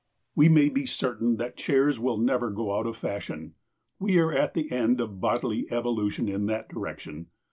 We may be certain that chairs will never go out of fashion. We are at the end of bodily evolution in that direction.